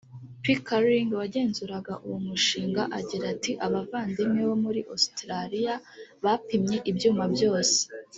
pickering wagenzuraga uwo mushinga agira ati abavandimwe bo muri ositaraliya bapimye ibyuma byose.